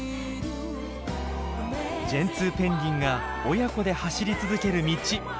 ジェンツーペンギンが親子で走り続ける道。